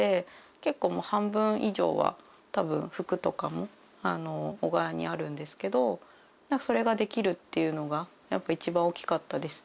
結構もう半分以上はたぶん服とかも小川にあるんですけどそれができるっていうのがやっぱ一番大きかったですね。